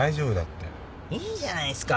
いいじゃないすか。